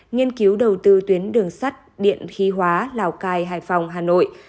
nghiên cứu đầu tư tuyến đường sắt điện khí hóa lào cai hải phòng hà nội